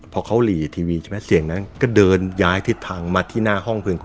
พอเขาหลีทีวีใช่ไหมเสียงนั้นก็เดินย้ายทิศทางมาที่หน้าห้องเพื่อน